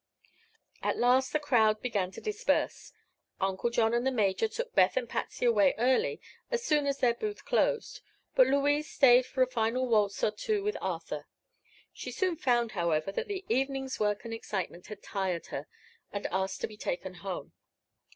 At last the crowd began to disperse. Uncle John and the Major took Beth and Patsy away early, as soon as their booth was closed; but Louise stayed for a final waltz or two with Arthur. She soon found, however, that the evening's work and excitement had tired her, and asked to be taken home.